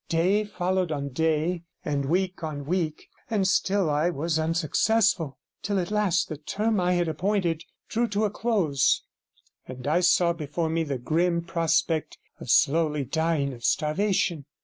Day followed on day, and week on week, and still I was unsuccessful, till at last the term I had appointed drew to a close, and I saw before me the grim prospect of slowly dying of starvation.